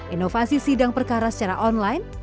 inovasi sidang perkara secara online